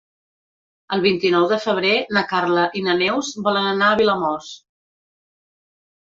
El vint-i-nou de febrer na Carla i na Neus volen anar a Vilamòs.